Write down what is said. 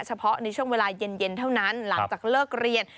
เฉพาะในช่วงเวลาเย็นเท่านั้นหลังจากเลิกเรียน